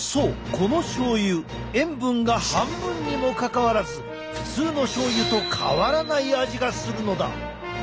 このしょうゆ塩分が半分にもかかわらず普通のしょうゆと変わらない味がするのだ。